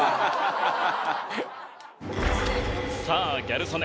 さあギャル曽根